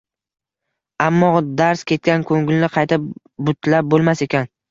Ammo darz ketgan ko`ngilni qayta butlab bo`lmas ekan